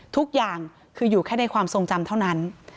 ทุกอย่างคืออยู่แค่ในความทรงจำเท่านั้น